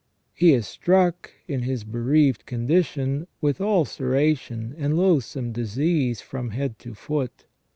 He is struck, in his bereaved condition, with ulceration and loathsome disease from head to foot.